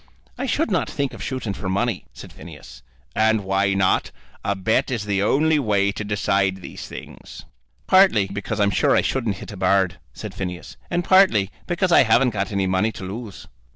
"I should not think of shooting for money," said Phineas. "And why not? A bet is the only way to decide these things." "Partly because I'm sure I shouldn't hit a bird," said Phineas, "and partly because I haven't got any money to lose."